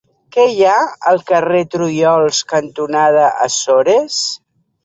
Què hi ha al carrer Trullols cantonada Açores?